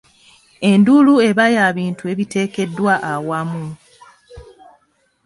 Endulundu eba ya bintu ebiteekeddwa awamu.